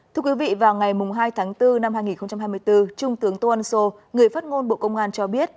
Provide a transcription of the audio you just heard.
thưa quý vị vào ngày hai tháng bốn năm hai nghìn hai mươi bốn trung tướng toan so người phát ngôn bộ công an cho biết